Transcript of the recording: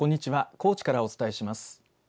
高知からお伝えします。